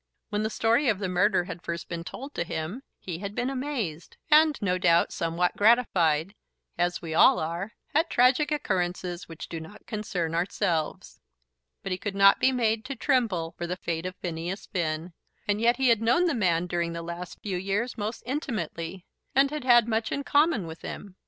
When the story of the murder had first been told to him, he had been amazed, and, no doubt, somewhat gratified, as we all are, at tragic occurrences which do not concern ourselves. But he could not be made to tremble for the fate of Phineas Finn. And yet he had known the man during the last few years most intimately, and had had much in common with him.